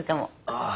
ああ。